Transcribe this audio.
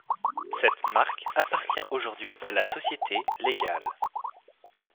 Cette marque appartient aujourd'hui à la société Legal.